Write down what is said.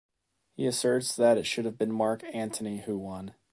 He asserts that it should have been Mark Antony who won.